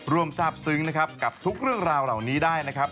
ทราบซึ้งนะครับกับทุกเรื่องราวเหล่านี้ได้นะครับ